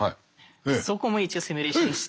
そこも一応シミュレーションして。